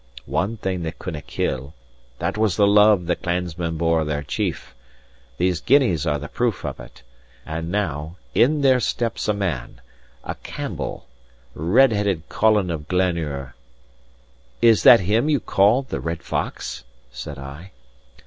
One thing they couldnae kill. That was the love the clansmen bore their chief. These guineas are the proof of it. And now, in there steps a man, a Campbell, red headed Colin of Glenure " "Is that him you call the Red Fox?" said I.